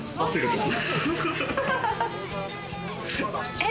えっ！？